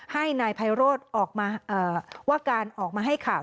ให้นายไพโรธออกมาว่าการออกมาให้ข่าว